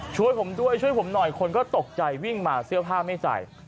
ช่วยผมด้วยช่วยผมหน่อยคนก็ตกใจวิ่งมาเสื้อผ้าไม่ใส่